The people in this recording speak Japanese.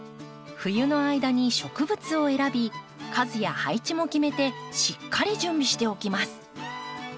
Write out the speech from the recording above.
冬の間に植物を選び数や配置も決めてしっかり準備しておきます。